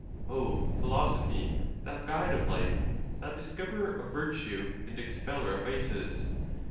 O Philosophy, thou guide of life! thou discov erer of virtue and expeller of vices!